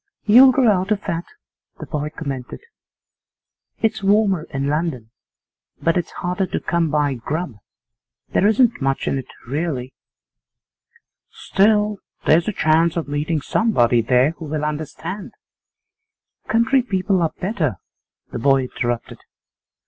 'You'll grow out of that,' the boy commented. 'It's warmer in London, but it's harder to come by grub. There isn't much in it really.' 'Still, there's the chance of meeting somebody there who will understand√¢‚Ç¨‚Äù' 'Country people are better,' the boy interrupted.